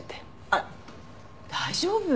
あら大丈夫？